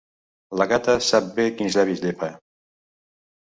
La gata sap bé quins llavis llepa.